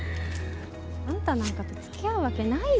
あんたなんかと付き合うわけないじゃん